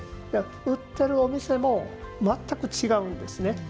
売ってるお店も全く違うんですね。